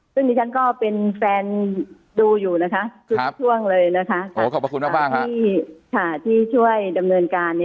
ซึ้งนี้ฉันก็เป็นแฟนดูอยู่ทุกช่วงเลยนะค่ะ